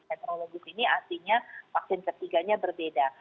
metrologis ini artinya vaksin ketiganya berbeda